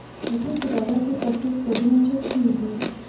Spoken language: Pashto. د ده په دوره کې پښتو کتابونه چاپ شوي دي.